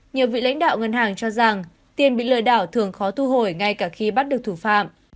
nhiều vị lãnh đạo ngân hàng cho rằng tiền bị lừa đảo thường khó thu hồi ngay cả khi bắt được thủ phạm